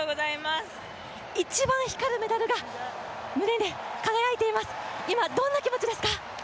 一番光るメダルが胸に輝いています、今、どんな気持ちですか？